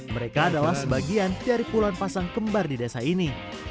mereka adalah sebagian dari puluhan pasang kembar di desa ini